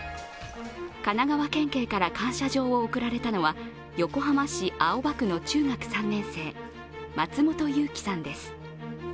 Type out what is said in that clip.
神奈川県警から感謝状を贈られたのは横浜市青葉区の中学３年生松本悠希さんです。